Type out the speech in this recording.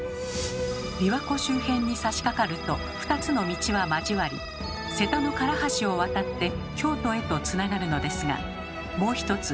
琵琶湖周辺にさしかかると２つの道は交わり瀬田の唐橋を渡って京都へとつながるのですがもう一つ